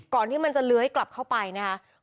ก่อนที่มันจะเลื้อให้กลับเข้าไปนะครับ